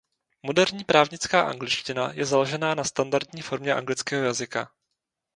Moderní právnická angličtina je založená na standardní formě anglického jazyka.